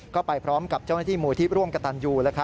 ก็ไปพร้อมกับเจ้าหน้าที่มูลที่ร่วมกับตันยู